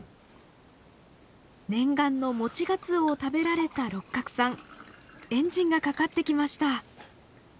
念願のもちがつおを食べられた六角さんエンジンがかかってきました。